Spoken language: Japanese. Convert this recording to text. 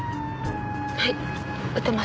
はい打てました。